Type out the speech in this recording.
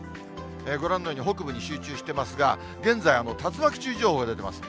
ご覧のように北部に集中してますが、現在、竜巻注意情報が出てます。